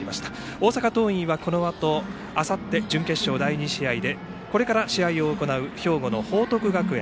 大阪桐蔭はこのあとあさって準決勝第２試合でこれから試合を行う兵庫の報徳学園